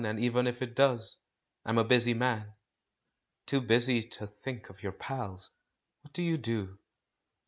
And even if it does — I'm a busy man." "Too busy to think of your pals? What do you do?"